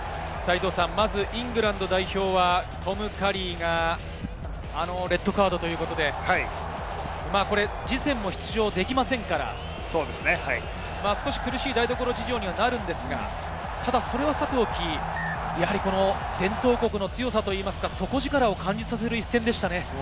まずイングランド代表は、トム・カリーがレッドカードということで、次の試合も出場できませんから、少し苦しい台所事情になるんですが、それはさておき、伝統国の強さといいますか底力を感じさせる一戦でしたね。